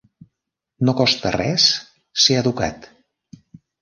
No costa res ser educat.